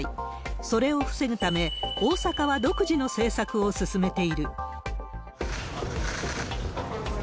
それを防ぐため、大阪は独自の政策を進めている。